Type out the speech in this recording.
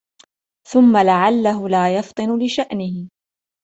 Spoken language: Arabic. ثُمَّ لَعَلَّهُ لَا يَفْطِنُ لِشَأْنِهِ